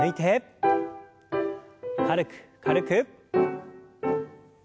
軽く軽く。